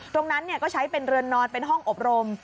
ตรงนั้นก็ใช้เป็นเรือนนอนเป็นห้องอบรม